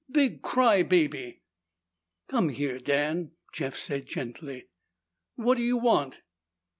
"Big cry baby!" "Come here, Dan," Jeff said gently. "What do you want?"